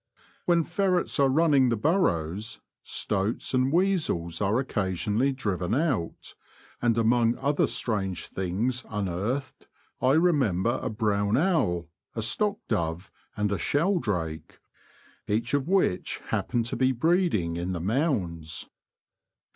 When ferrets are running the burrows, stoats and weasels are occasionally driven out ; and among other strange things unearthed I remember a brown owl, a stock dove, and a shell drake — each of which happened to be breeding in the mounds.